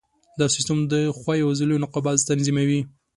دا سیستم د ښویو عضلو انقباض تنظیموي.